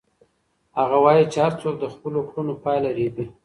هغه وایي چې هر څوک د خپلو کړنو پایله رېبي.